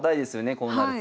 こうなると。